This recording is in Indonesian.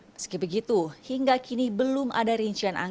meski begitu hingga kini belum ada anggaran yang berasal dari kementerian keuangan